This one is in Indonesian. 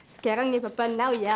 sekarangnya papa now ya